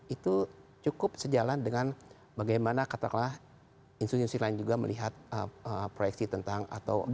itu cukup sejalan dengan bagaimana katakanlah institusi lain juga melihat proyeksi tentang atau